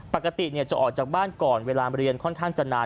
ปกติจะออกจากบ้านก่อนเวลาเรียนค่อนข้างจะนาน